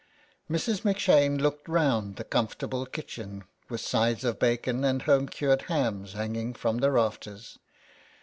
Mrs. M 'Shane looked round the comfortable kitchen, with sides of bacon and home cured hams hanging from the rafters.